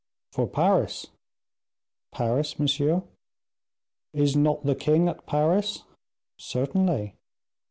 "For Paris." "Paris, monsieur?" "Is not the king at Paris?" "Certainly."